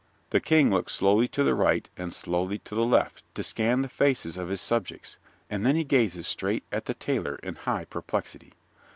The King looks slowly to the right and slowly to the left to scan the faces of his subjects, and then he gazes straight at the Tailor in high perplexity.